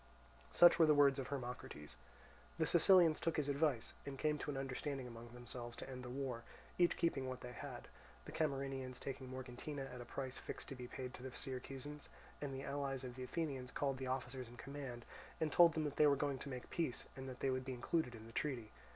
Such were the words of Hermocrates. The Sicilians took his advice, and came to an understanding among themselves to end the war, each keeping what they had—the Camarinaeans taking Morgantina at a price fixed to be paid to the Syracusans—and the allies of the Athenians called the officers in command, and told them that they were going to make peace and that they would be included in the treaty.